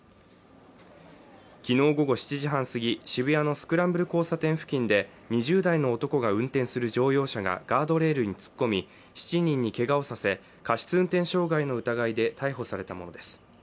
昨日午後７時半過ぎ、渋谷のスクランブル交差点付近で、２０代の男が運転する乗用車がガードレールに突っ込み７人にけがをさせ、過失運転傷害の疑いで逮捕されたものです。